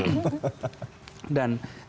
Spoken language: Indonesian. cerita dulu pak